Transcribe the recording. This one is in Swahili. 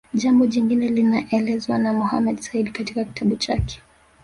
Jambo jingine linaelezwa na Mohamed Said katika kitabu chake